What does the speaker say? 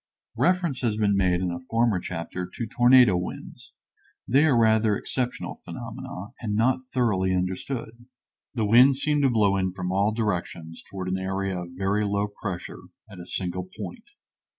Reference has been made in a former chapter to tornado winds; they are rather exceptional phenomena and not thoroughly understood. The winds seem to blow in from all directions toward an area of very low pressure at a single point.